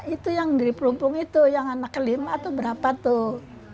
itu yang di pelumpung itu yang anak kelima tuh berapa tuh